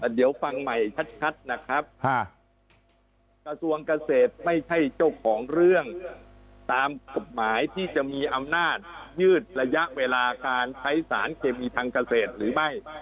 ไม่ใช่เจ้าของเรื่องตามกฎหมายที่จะมีอำนาจยืดระยะเวลาการใช้สารเคมีทางเกษตรหรือไม่